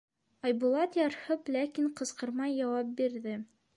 Айбулат ярһып, ләкин ҡысҡырмай яуап бирҙе: